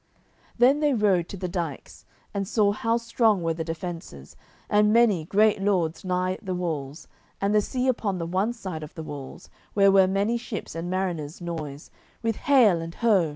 Then they rode to the dykes, and saw how strong were the defences, and many great lords nigh the walls, and the sea upon the one side of the walls, where were many ships and mariners' noise, with "hale" and "ho."